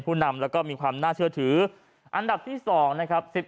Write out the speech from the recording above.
ผู้นำแล้วก็มีความน่าเชื่อถืออันดับที่๒นะครับ